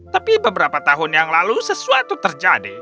tapi beberapa tahun yang lalu sesuatu terjadi